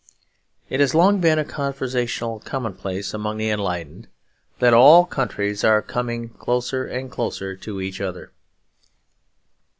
It has long been a conversational commonplace among the enlightened that all countries are coming closer and closer to each other.